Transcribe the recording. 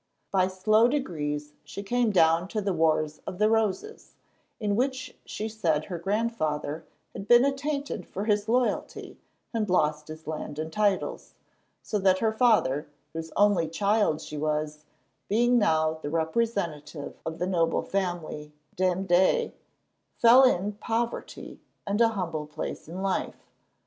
By slow degrees she came down to the Wars of the Roses, in which she said her grandfather had been attainted for his loyalty, and lost his land and titles, so that her father, whose only child she was—being now the representative of the noble family, Dene de Dene—fell into poverty and a humble place in life.